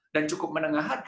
dan cukup menengah harga